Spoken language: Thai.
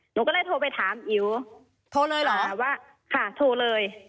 หนูก็เลยโทรไปถามอิ๋วโทรเลยเหรอว่าค่ะโทรเลย